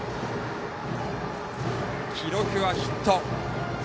記録はヒット。